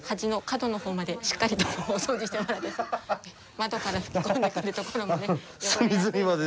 窓から吹き込んでくるところまで。